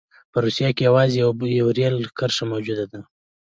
په روسیه کې یوازې یوه رېل کرښه موجوده وه.